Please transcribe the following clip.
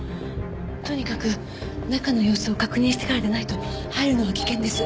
とにかく中の様子を確認してからでないと入るのは危険です。